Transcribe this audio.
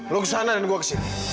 lu kesana dan gue kesini